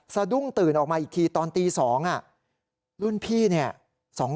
สะดุ้งตื่นออกมาอีกทีตอนตี๒รุ่นพี่เนี่ย